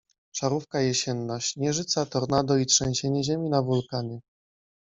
Szarówka jesienna. Śnieżyca, tornado i trzęsienie ziemi na wulkanie.